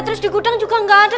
terus di gudang juga nggak ada